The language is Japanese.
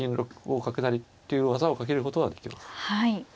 ６五角成っていう技をかけることはできます。